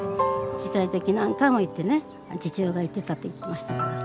小さい時何回も言ってね父親が言ってたって言ってましたから。